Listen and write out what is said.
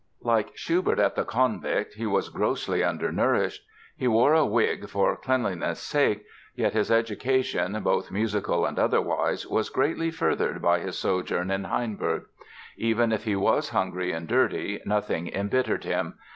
Like Schubert at the "Konvikt" he was grossly "undernourished". He wore a wig "for cleanliness' sake". Yet his education, both musical and otherwise, was greatly furthered by his sojourn in Hainburg. Even if he was hungry and dirty, nothing embittered him.